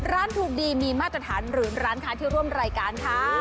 ร้านถูกดีมีมาตรฐานหรือร้านค้าที่ร่วมรายการค่ะ